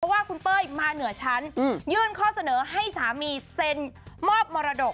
ว่าคุณเป้ยมาเหนือชั้นยื่นข้อเสนอให้สามีเซ็นมอบมรดก